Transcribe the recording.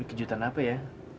ini kejutan apa ya